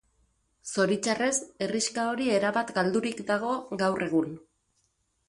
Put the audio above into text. Zoritxarrez, herrixka hori erabat galdurik dago gaur egun.